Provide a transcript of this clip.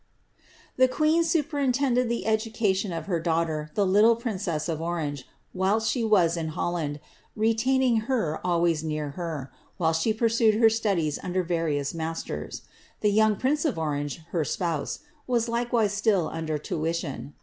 The queen superintended the education of her daughter, the little princess of Orange, whilst she was in Holland, retaining her always near her, while she pursued her studies under various masters. The young prince of Orange, her spouse, was likewise still under tuition.